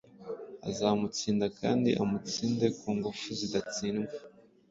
uzamutsinda, kandi umutsinde ku ngufu zidatsindwa,